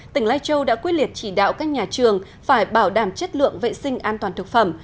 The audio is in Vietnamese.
tỉnh lai châu đã quyết liệt chỉ đạo các nhà trường phải bảo đảm chất lượng vệ sinh an toàn thực phẩm